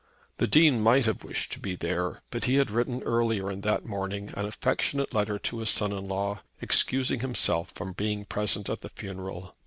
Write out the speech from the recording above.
The Dean might have wished to be there; but he had written early on that morning an affectionate letter to his son in law, excusing himself from being present at the funeral.